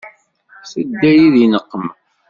Tedda-yi di nneqma.